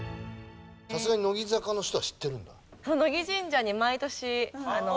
さすがに乃木坂の人は知ってるんだ。